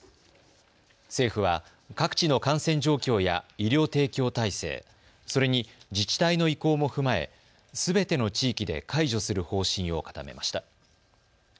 政府は各地の感染状況や医療提供体制、それに自治体の意向も踏まえすべての地域で解除する方針を固めました。